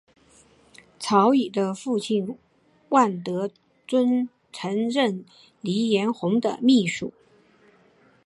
曹禺的父亲万德尊曾任黎元洪的秘书。